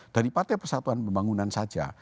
dari partai persatuan pembangunan saja